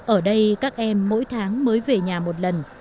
ở đây các em mỗi tháng mới về nhà một lần